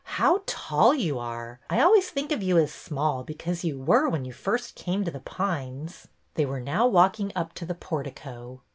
How tall you are! I always think of you as small, because you were when you first came to The Pines." PRESERVES 123 They were now walking up to the portico.